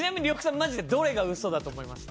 マジでどれが嘘だと思いました？